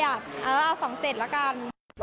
เอาง่า๒๗ละกัน